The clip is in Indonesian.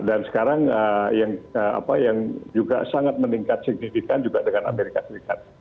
dan sekarang yang juga sangat meningkat signifikan juga dengan amerika serikat